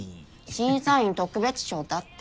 審査員特別賞だって。